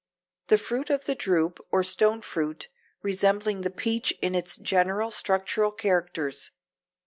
The fruit is a drupe or stone fruit, resembling the peach in its general structural characters.